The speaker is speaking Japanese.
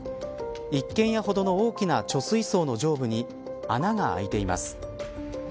一軒家ほどの大きな貯水槽の上部に穴があいています。